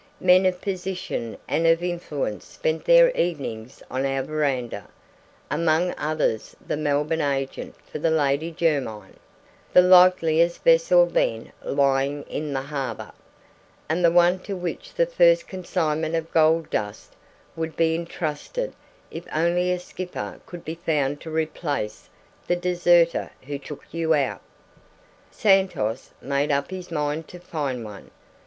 Men of position and of influence spent their evenings on our veranda, among others the Melbourne agent for the Lady Jermyn, the likeliest vessel then lying in the harbor, and the one to which the first consignment of gold dust would be entrusted if only a skipper could be found to replace the deserter who took you out. Santos made up his mind to find one.